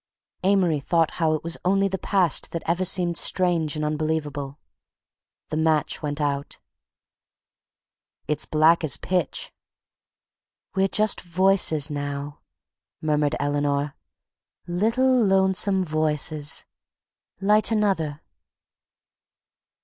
Amory thought how it was only the past that ever seemed strange and unbelievable. The match went out. "It's black as pitch." "We're just voices now," murmured Eleanor, "little lonesome voices. Light another."